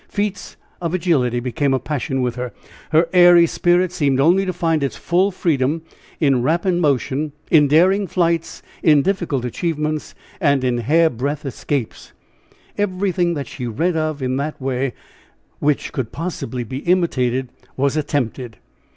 Feats of agility became a passion with her her airy spirit seemed only to find its full freedom in rapid motion in daring flights, in difficult achievements, and in hair breadth escapes. Everything that she read of in that way, which could possibly be imitated, was attempted.